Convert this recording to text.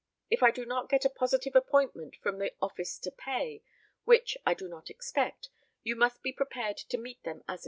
If I do not get a positive appointment from the office to pay, which I do not expect, you must be prepared to meet them as agreed.